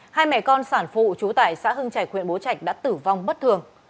hai mẹ con sản phụ trú tại xã hưng trạch huyện bố trạch đã tử vong bất thường